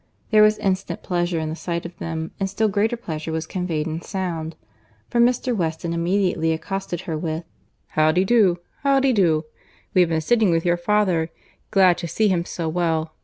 There was instant pleasure in the sight of them, and still greater pleasure was conveyed in sound—for Mr. Weston immediately accosted her with, "How d'ye do?—how d'ye do?—We have been sitting with your father—glad to see him so well.